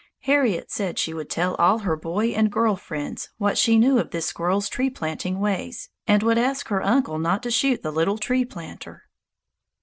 Harriet said she would tell all her boy and girl friends what she knew of this squirrel's tree planting ways, and would ask her uncle not to shoot the little tree planter.